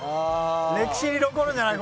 歴史に残るんじゃない？